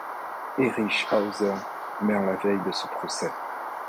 Erich Ohser meurt la veille de ce procès.